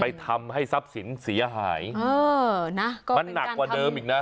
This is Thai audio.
ทำให้ทรัพย์สินเสียหายเออนะก็มันหนักกว่าเดิมอีกนะ